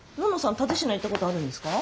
蓼科行ったことあるんですか？